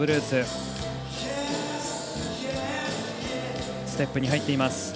ステップに入っています。